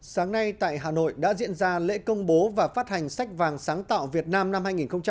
sáng nay tại hà nội đã diễn ra lễ công bố và phát hành sách vàng sáng tạo việt nam năm hai nghìn hai mươi